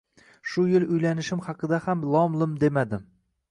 Shu yil uylanishim haqida ham lom-mim demadim